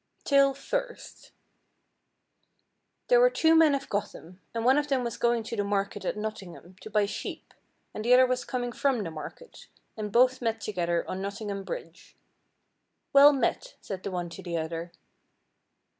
] TALE FIRST. There were two men of Gotham, and one of them was going to the market at Nottingham to buy sheep, and the other was coming from the market, and both met together on Nottingham bridge. "Well met," said the one to the other.